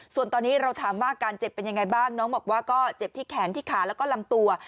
ส่วนตอนนี้เราถามว่าการเจ็บเป็นยังไงบ้างน้องบอกว่าก็เจ็บที่แขนที่ขาแล้วก็ลำตัว